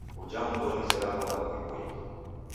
Uja mundu wonizera malagho ghipoie.